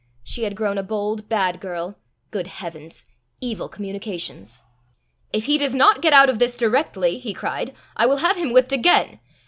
She had grown a bold, bad girl! Good heavens! Evil communications! "If he does not get out of this directly," he cried, "I will have him whipped again.